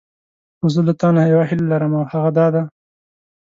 خو زه له تانه یوه هیله لرم او هغه دا ده.